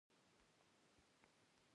ژمی د افغانستان د طبیعي زیرمو برخه ده.